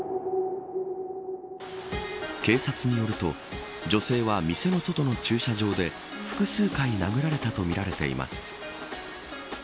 警察によると女性は店の外の駐車場で複数回殴られたとみられています。